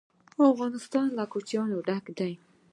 افغانستان له کوچیان ډک دی.